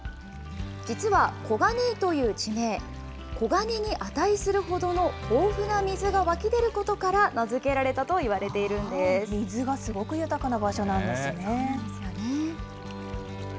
実は小金井という地名、黄金に値するほどの豊富な水が湧き出ることから、名付けられたと水がすごく豊かな場所なんでそうなんですよね。